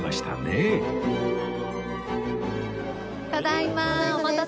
ただいま。